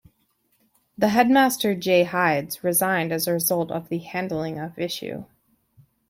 The headmaster, J. Hydes, resigned as a result of the handling of issue.